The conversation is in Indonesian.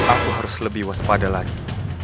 aku harus lebih waspada lagi